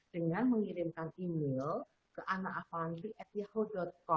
dengan mengirimkan email ke anaavanti at yahoo com